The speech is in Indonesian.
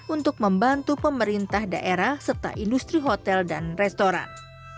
untuk membantu pemerintah daerah serta industri hotel dan restoran